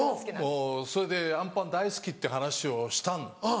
それであんパン大好きっていう話をしたの。